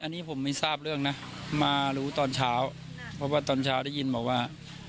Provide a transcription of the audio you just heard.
อันนี้ผมไม่ทราบเรื่องนะมารู้ตอนเช้าเพราะว่าตอนเช้าได้ยินบอกว่า